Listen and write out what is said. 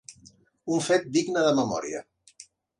Un fet digne de memòria.